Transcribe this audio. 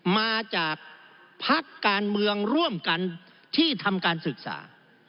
มาจากพักการเมืองร่วมกันที่ทำการศึกษา